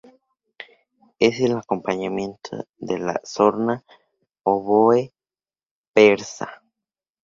Es el acompañamiento de la sorna, oboe persa.